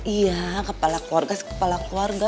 iya kepala keluarga kepala keluarga